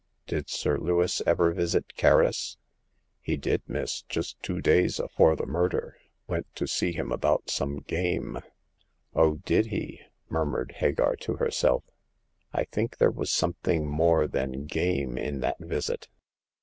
" Did Sir Lewis ever visit Kerris ?"" He did, miss, just two days afore the murder — went to see him about some game." 0h, did he?" murmured Hagar to herself. " I think there was something more than game in that visit."